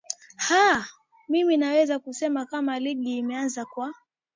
aa mimi naweza kusema kama ligi imeanza kwa